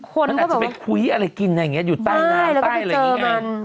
มันอาจจะไปคุยอะไรกินอะไรอย่างนี้อยู่ใต้น้ำใต้อะไรอย่างนี้ไง